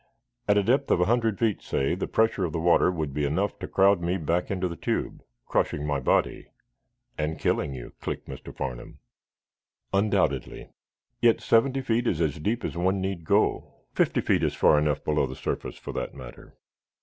"At a depth of a hundred feet, say, the pressure of the water would be enough to crowd me back into the tube, crushing my body." "And killing you," clicked Mr. Farnum. "Undoubtedly. Yet seventy feet is as deep as one need go. Fifty feet is far enough below the surface, for that matter.